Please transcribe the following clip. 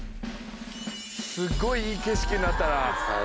すっごいいい景色になったな。